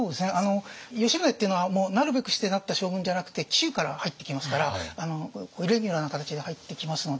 吉宗っていうのはなるべくしてなった将軍じゃなくて紀州から入ってきますからイレギュラーな形で入ってきますのでね。